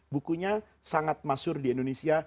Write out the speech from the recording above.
bukunya sangat masyur di indonesia